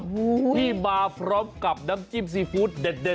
ที่มาพร้อมกับน้ำจิ้มซีฟู้ดเด็ด